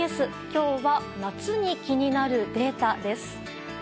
今日は、夏に気になるデータ。